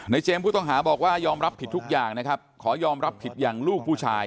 เจมส์ผู้ต้องหาบอกว่ายอมรับผิดทุกอย่างนะครับขอยอมรับผิดอย่างลูกผู้ชาย